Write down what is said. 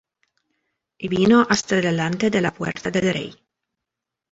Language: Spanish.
Y vino hasta delante de la puerta del rey: